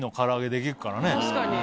確かに。